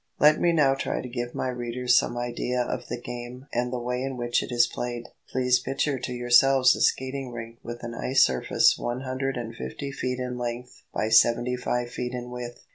Let me now try to give my readers some idea of the game and the way in which it is played. Please picture to yourselves a skating rink with an ice surface one hundred and fifty feet in length by seventy five feet in width.